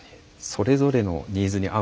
それぞれのニーズに合うように。